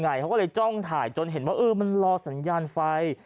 เขาก็เลยจ้องถ่ายจนเห็นว่าเออมันรอสัญญาณไฟ